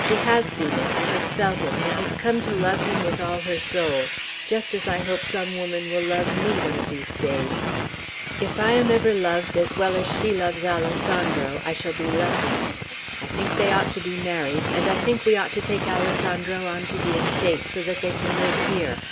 She has seen it, and has felt it, and has come to love him with all her soul, just as I hope some woman will love me one of these days. If I am ever loved as well as she loves Alessandro, I shall be lucky. I think they ought to be married; and I think we ought to take Alessandro on to the estate, so that they can live here.